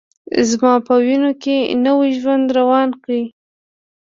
زما په وینوکې نوی ژوند روان کړ